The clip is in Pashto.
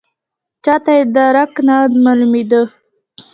چاته یې درک نه معلومېده.